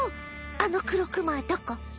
あのクロクマはどこ？